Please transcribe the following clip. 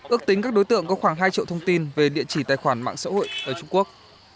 ước tính các đối tượng có khoảng hai triệu thông tin về địa chỉ tài khoản mạng xã hội ở trung quốc